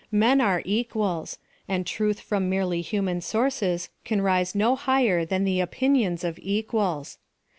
Men are equals ; and truth from merely human sources can rise no higher than the opinions of equals.